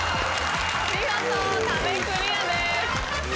見事壁クリアです。